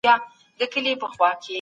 خاموشي کله کله د سرو زرو ده.